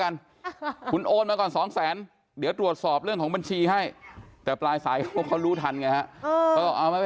ขอให้ท่าสารวัฒน์ตรวจสอบเข้าอีกรอบหนึ่งครับ